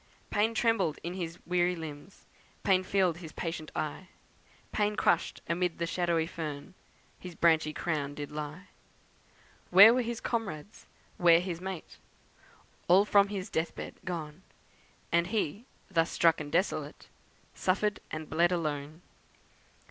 Pain trembled in his weary limbs, Pain filled his patient eye, Pain crushed amid the shadowy fern His branchy crown did lie. Where were his comrades? where his mate? All from his death bed gone! And he, thus struck and desolate, Suffered and bled alone.